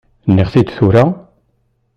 Nniɣ-t-id tura?